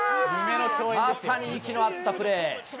まさに息の合ったプレー。